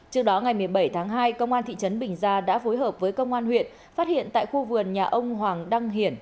trước đó ngày một mươi bảy tháng hai công an thị trấn bình gia đã phối hợp với công an huyện phát hiện tại khu vườn nhà ông hoàng đăng hiển